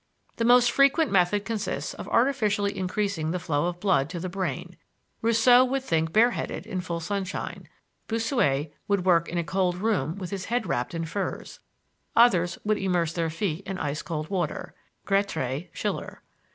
The most frequent method consists of artificially increasing the flow of blood to the brain. Rousseau would think bare headed in full sunshine; Bossuet would work in a cold room with his head wrapped in furs; others would immerse their feet in ice cold water (Grétry, Schiller).